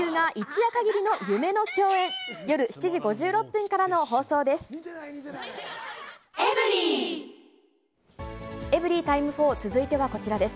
夜７時５６分からの放送です。